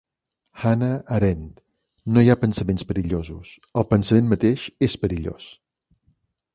Hannah Arendt: no hi ha pensaments perillosos; el pensament mateix és perillós.